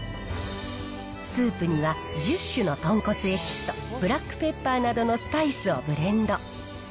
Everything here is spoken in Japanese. スープには１０種の豚骨エキスとブラックペッパーなどのスパイスをブレンド。